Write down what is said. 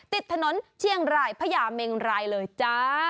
ติดถนนเชียงรายพญาเมงรายเลยจ้า